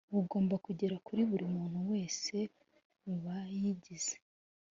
bugomba kugera kuri buri muntu wese mu bayigize